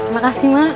terima kasih mak